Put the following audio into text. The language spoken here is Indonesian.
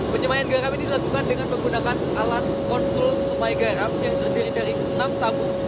penyemayan garam ini dilakukan dengan menggunakan alat konsulai garam yang terdiri dari enam tabung